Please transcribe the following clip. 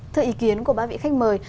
thưa ý kiến của bác vị khách mời